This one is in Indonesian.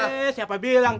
heeh siapa bilang